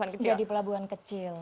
sejati pelabuhan kecil